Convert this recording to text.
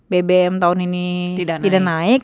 bbm tahun ini tidak naik